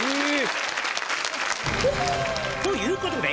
「ということで」